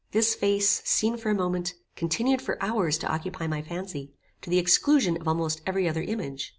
This face, seen for a moment, continued for hours to occupy my fancy, to the exclusion of almost every other image.